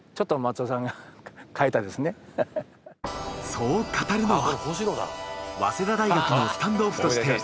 そう語るのは。